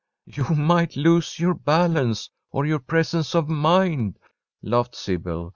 "You might lose your balance or your presence of mind," laughed Sybil.